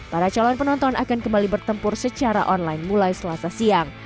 para calon penonton akan kembali bertempur secara online mulai selasa siang